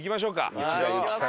「内田有紀さん